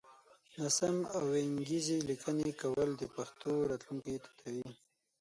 ناسم او وينگيزې ليکنې کول د پښتو راتلونکی تتوي